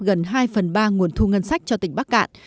gần hai phần ba nguồn thu ngân sách cho tỉnh bắc cạn